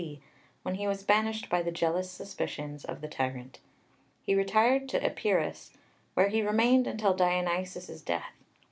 C., when he was banished by the jealous suspicions of the tyrant. He retired to Epirus, where he remained until Dionysius's death.